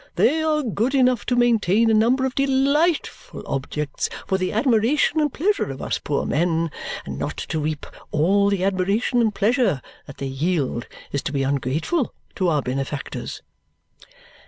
They are good enough to maintain a number of delightful objects for the admiration and pleasure of us poor men; and not to reap all the admiration and pleasure that they yield is to be ungrateful to our benefactors."